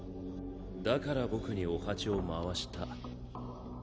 だから僕にお鉢を回した。